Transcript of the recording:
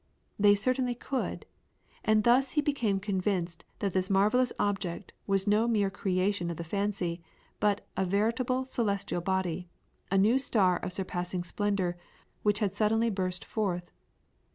They certainly could, and thus he became convinced that this marvellous object was no mere creation of the fancy, but a veritable celestial body a new star of surpassing splendour which had suddenly burst forth.